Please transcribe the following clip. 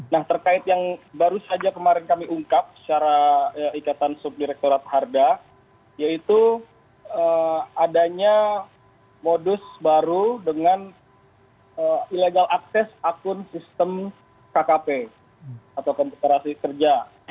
nah terkait yang baru saja kemarin kami ungkap secara ikatan subdirektorat harga yaitu adanya modus baru dengan illegal access akun sistem kkp atau komputerasi kerja